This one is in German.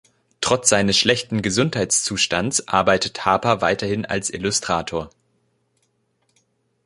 Trotz seines schlechten Gesundheitszustands arbeitet Harper weiterhin als Illustrator.